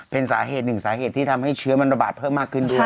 เป็นสาเหตุหนึ่งสาเหตุที่ทำให้เชื้อมันระบาดเพิ่มมากขึ้นด้วย